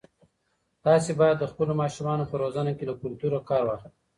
تاسي باید د خپلو ماشومانو په روزنه کې له کلتور کار واخلئ.